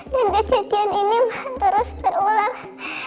dan kejadian ini terus berulang